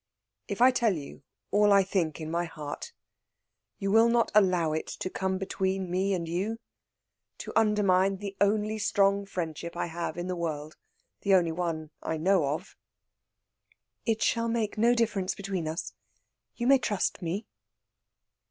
"If I tell you all I think in my heart, you will not allow it to come between me and you, to undermine the only strong friendship I have in the world, the only one I know of." "It shall make no difference between us. You may trust me."